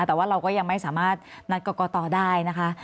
แต่ว่าเราก็ยังไม่สามารถนัดกรกตได้นะคะ